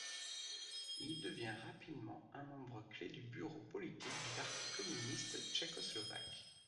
Il devient rapidement un membre clef du bureau politique du Parti communiste tchécoslovaque.